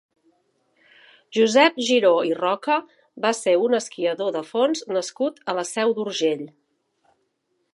Josep Giró i Roca va ser un esquiador de fons nascut a la Seu d'Urgell.